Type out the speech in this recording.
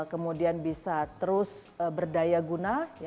kemudian bisa terus berdaya guna